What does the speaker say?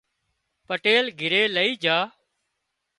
پٽيل گھري لئي جھا